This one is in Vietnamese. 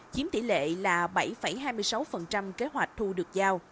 chiếm tỷ lệ là bảy hai mươi sáu kế hoạch thu được giao